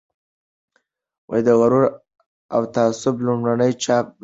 د "غرور او تعصب" لومړنی چاپ رد شو.